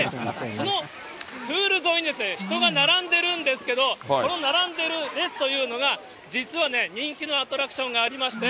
このプール沿いに人が並んでるんですけれども、この並んでる列というのが、実はね、人気のアトラクションがありまして。